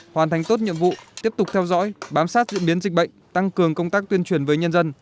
hoàn thành tốt nhiệm vụ tiếp tục theo dõi bám sát diễn biến dịch bệnh tăng cường công tác tuyên truyền với nhân dân